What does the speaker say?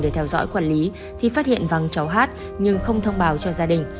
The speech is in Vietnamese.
để theo dõi quản lý thì phát hiện vắng cháu hát nhưng không thông báo cho gia đình